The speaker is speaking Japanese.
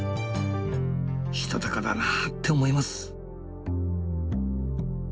したたかだなぁって思います。